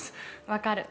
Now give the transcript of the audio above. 分かる。